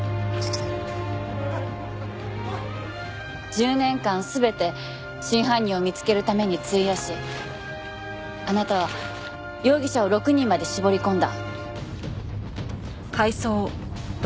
１０年間全て真犯人を見つけるために費やしあなたは容疑者を６人まで絞り込んだ。